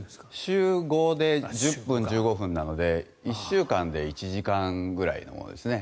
週５で１０分、１５分なので１週間で１時間ぐらいのものですね。